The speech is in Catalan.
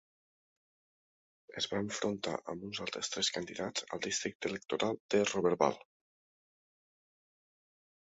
Es va enfrontar amb uns altres tres candidats al districte electoral de Roberval.